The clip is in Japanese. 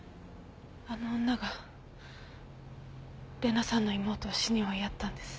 あの女が玲奈さんの妹を死に追いやったんです。